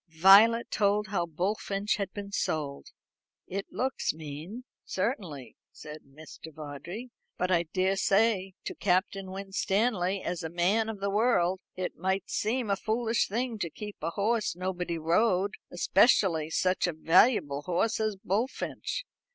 Violet told how Bullfinch had been sold. "It looks mean, certainly," said Mr. Vawdrey; "but I daresay to Captain Winstanley, as a man of the world, it might seem a foolish thing to keep a horse nobody rode; especially such a valuable horse as Bullfinch.